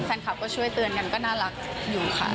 แฟนคลับก็ช่วยเตือนกันก็น่ารักอยู่ค่ะ